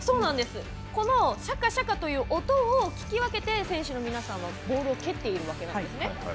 シャカシャカという音を聞き分けて選手の皆さんはボールを蹴っているわけなんですね。